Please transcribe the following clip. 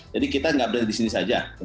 jadi kita tidak berada di sini saja